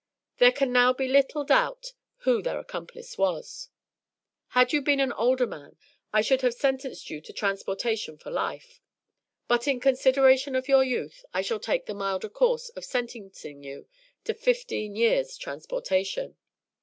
There can now be little, doubt who their accomplice was. Had you been an older man I should have sentenced you to transportation for life, but in consideration of your youth, I shall take the milder course of sentencing you to fifteen years' transportation."